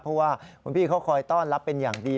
เพราะว่าคุณพี่เขาคอยต้อนรับเป็นอย่างดี